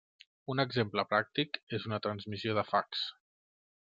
Un exemple pràctic és una transmissió de fax.